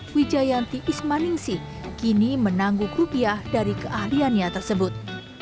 wijayanti ismaningsi kini menangguk rupiah dari keahliannya tersebut